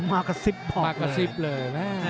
มากระซิบบอกเลย